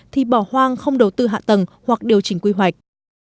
thì bỏ hoang không đầu tư hạ tầng hoặc điều chỉnh quy hoạch